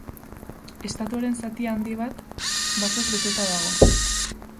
Estatuaren zati handi bat basoz beteta dago.